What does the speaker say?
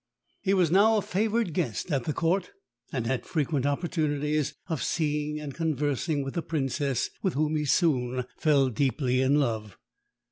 He was now a favoured guest at Court, and had frequent opportunities of seeing and conversing with the Princess, with whom he soon fell deeply in love.